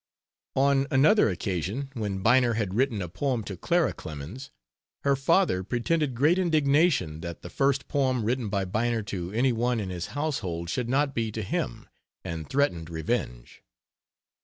On another occasion, when Bynner had written a poem to Clara Clemens, her father pretended great indignation that the first poem written by Bynner to any one in his household should not be to him, and threatened revenge.